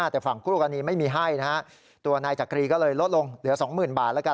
แต่ฝั่งคู่กรณีไม่มีให้นะฮะตัวนายจักรีก็เลยลดลงเหลือสองหมื่นบาทแล้วกัน